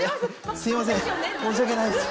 すいません申し訳ないです。